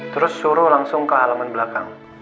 terus suruh langsung ke halaman belakang